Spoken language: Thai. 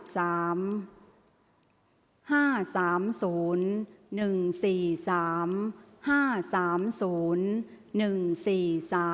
ออกรางวัลที่๖